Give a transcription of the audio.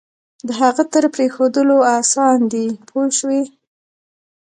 د هغه تر پرېښودلو آسان دی پوه شوې!.